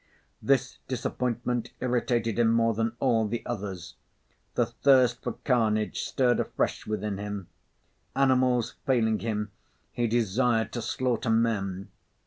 This disappointment irritated him more than all the others. The thirst for carnage stirred afresh within him; animals failing him, he desired to slaughter men.